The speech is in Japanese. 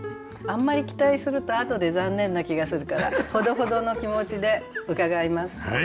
あんまり期待すると後で残念な気がするからほどほどの気持ちで伺います。